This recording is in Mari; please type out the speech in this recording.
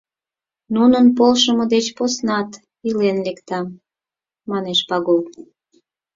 Нунын полшымо деч поснат илен лектам, — манеш Пагул.